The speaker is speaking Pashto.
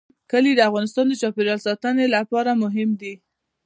کلي د افغانستان د چاپیریال ساتنې لپاره مهم دي.